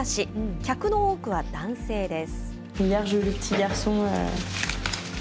客の多くは男性です。